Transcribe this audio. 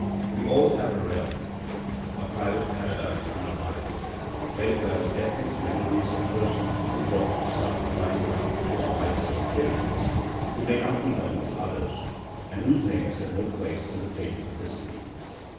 We all have a realm, a private paradise, in our mind, where dwell deathless memories of persons who brought some divine light to our life's experience, who may not be known to others, and whose names have no place in the pages of history.